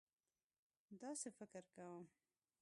داسې فکر کوم.